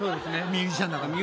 ミュージシャンだから。